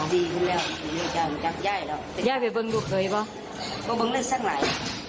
ให้แย่ไปบึงลูกเขยบอกเครนลาย